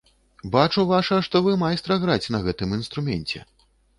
Бачу, ваша, што вы майстра граць на гэтым інструменце.